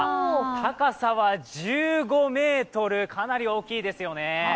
高さは１５ｍ、かなり大きいですよね。